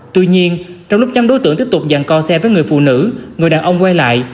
tuy nhiên trong lúc nhắm đối tượng tiếp tục dàn co xe với người phụ nữ người đàn ông quay lại